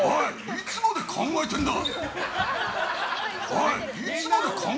いつまで考えてんだ！